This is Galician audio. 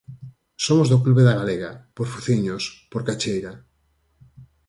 Somos do clube da galega. Por fuciños! Por cacheira!